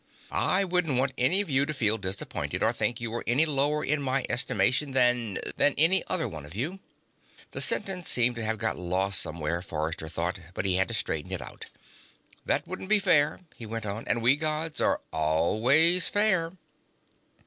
"I wouldn't want any of you to feel disappointed, or think you were any lower in my estimation than than any other one of you." The sentence seemed to have got lost somewhere, Forrester thought, but he had straightened it out. "That wouldn't be fair," he went on, "and we Gods are always fair."